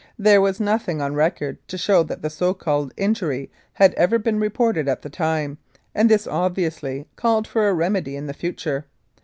There was nothing on record to show that the so called injury had ever been reported at the time, and this obviously called for a remedy in the future.